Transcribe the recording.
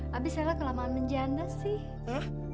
habis nailah kelamaan menjanda sih